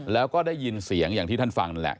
แล้วก็ได้ยินเสียงอย่างที่ท่านฟังนั่นแหละ